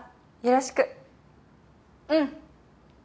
うん！